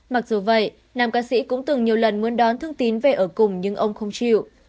mặc dù vậy nam ca sĩ cũng từng nhiều lần muốn đón thương tín về ở cùng nhưng ông không chịu